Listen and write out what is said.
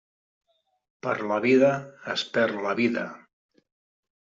Per la vida, es perd la vida.